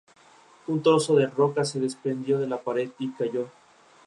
Actualmente ya no se consideraría estación sino un apeadero.